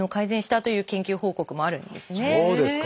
そうですか！